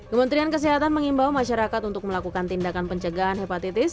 kementerian kesehatan mengimbau masyarakat untuk melakukan tindakan pencegahan hepatitis